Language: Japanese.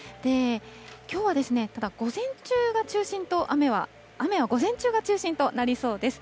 きょうは午前中が中心と、雨は午前中が中心となりそうです。